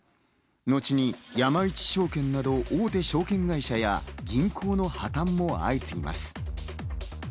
後に山一証券など、大手証券会社や銀行の破綻が相次ぎます。